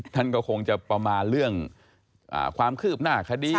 ท่านก็คงจะประมาณเรื่องความคืบหน้าคดี